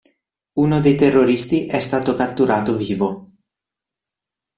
Uno dei terroristi è stato catturato vivo.